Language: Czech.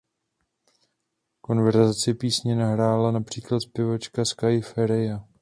Coververzi písně nahrála například zpěvačka Sky Ferreira.